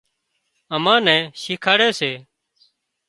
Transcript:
امان نين شيکاڙِ سي